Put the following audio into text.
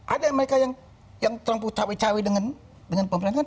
ada mereka yang terampu cawe cawe dengan pemerintah